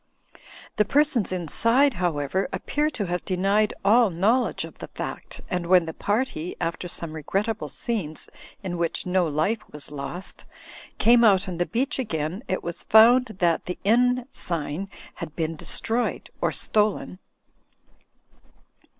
The per sons inside, however, appear to have denied all know ledge of the fact, and when the party (after some re grettable scenes in which no life was lost) came out on the beach again, it was foimd that the inn sign had been destroyed or stolen.